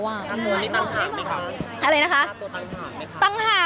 อันนี้ตังหากไหมคะค่ะค่าตัวตังหากไหมคะ